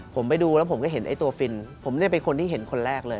ผมไปดูแล้วผมก็เห็นไอ้ตัวฟินผมเนี่ยเป็นคนที่เห็นคนแรกเลย